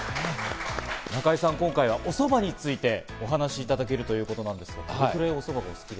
中井さん、今回はおそばについてお話いただけるということですけど。